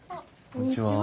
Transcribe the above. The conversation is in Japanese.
こんにちは。